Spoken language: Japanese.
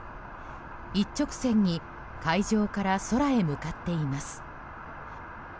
一直線に海上から空へ向かっています。